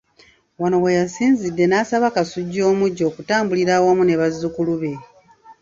Wano we yasinzidde n'asaba Kasujja omuggya okutambulira awamu ne bazzukulu be.